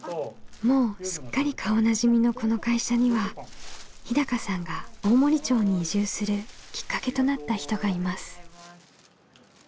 もうすっかり顔なじみのこの会社には日さんが大森町に移住するきっかけとなった人がいます。